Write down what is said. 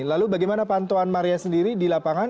lalu bagaimana pantauan maria sendiri di lapangan